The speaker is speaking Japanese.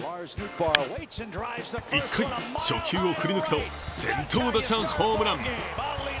１回初球を振り抜くと、先頭打者ホームラン。